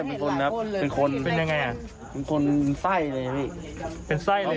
เป็นคนครับเป็นคนเป็นยังไงอ่ะเป็นคนไส้เลยพี่เป็นไส้เลย